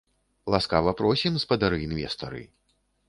Ласкава просім, спадары інвестары!